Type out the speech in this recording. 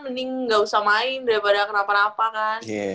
mending nggak usah main daripada kenapa napa kan